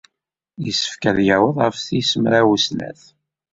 Yessefk ad yaweḍ ɣef tis mraw snat.